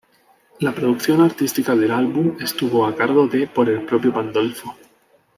La producción artística del álbum estuvo a cargo de por el propio Pandolfo.